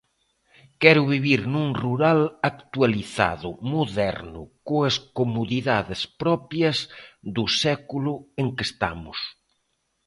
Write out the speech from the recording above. Quero vivir nun rural actualizado, moderno, coas comodidades propias do século en que estamos.